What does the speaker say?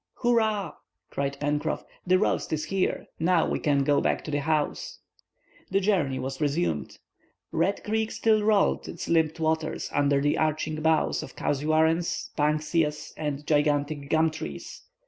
"Hurrah!" cried Pencroff, "the roast is here; now we can go back to the house." The journey was resumed. Red Creek still rolled its limped waters under the arching boughs of casuarence, bankseas and gigantic gum trees.